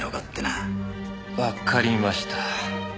わかりました。